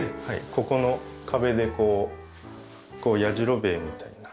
ここの壁でこうやじろべえみたいな。